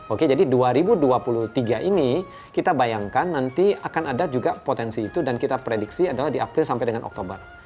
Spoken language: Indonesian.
oke jadi dua ribu dua puluh tiga ini kita bayangkan nanti akan ada juga potensi itu dan kita prediksi adalah di april sampai dengan oktober